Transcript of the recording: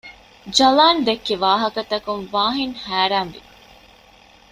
ޖަލާން ދެއްކި ވާހަކަ ތަކުން ވާހިން ހައިރާން ވި